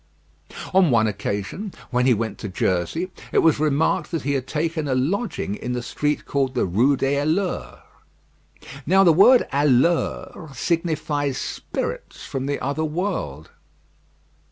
On one occasion, when he went to Jersey, it was remarked that he had taken a lodging in the street called the Rue des Alleurs. Now the word alleurs signifies spirits from the other world.